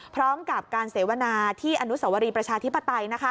พร้อมกับการเสวนาที่อนุสวรีประชาธิปไตย